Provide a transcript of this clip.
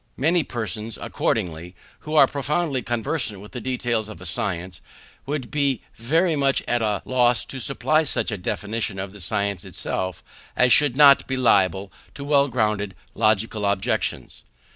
Many persons, accordingly, who are profoundly conversant with the details of a science, would be very much at a loss to supply such a definition of the science itself as should not be liable to well grounded logical objections.